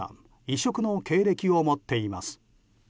異色の経歴を持っています。